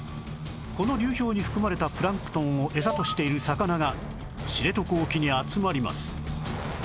この流氷に含まれたプランクトンを餌としている魚が知床沖に集まります